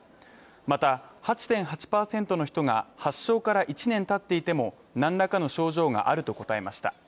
また、８．８％の人が発症から１年たっていても何らかの症状があると答えました。